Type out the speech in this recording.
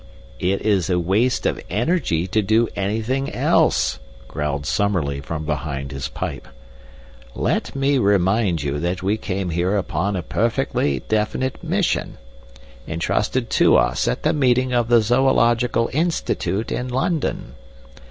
"It is a waste of energy to do anything else," growled Summerlee from behind his pipe. "Let me remind you that we came here upon a perfectly definite mission, entrusted to us at the meeting of the Zoological Institute in London.